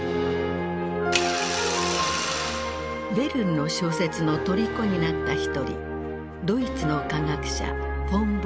ヴェルヌの小説のとりこになった一人ドイツの科学者フォン・ブラウン。